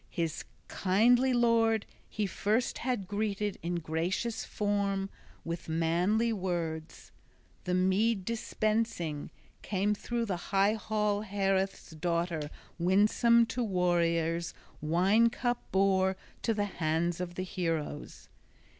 His kindly lord he first had greeted in gracious form, with manly words. The mead dispensing, came through the high hall Haereth's daughter, winsome to warriors, wine cup bore to the hands of the heroes.